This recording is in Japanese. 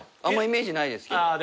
あんまイメージないですけど。